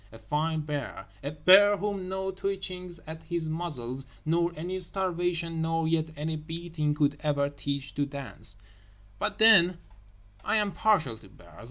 A fine bear. A bear whom no twitchings at his muzzle nor any starvation nor yet any beating could ever teach to dance … but then, I am partial to bears.